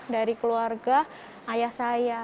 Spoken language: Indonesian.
dari keluarga ayah saya